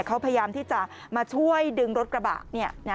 เขาพยายามที่จะมาช่วยดึงรถกระบะ